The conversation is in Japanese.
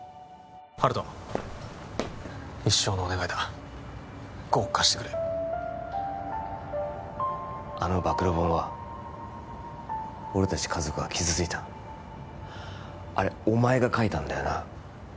一生のお願いだ５億貸してくれあの暴露本は俺達家族は傷ついたあれお前が書いたんだよな？